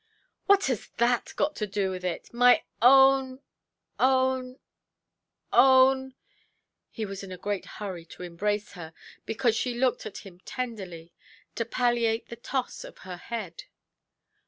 "What has that got to do with it? My own—own—own——" He was in a great hurry to embrace her, because she looked at him tenderly, to palliate the toss of her head.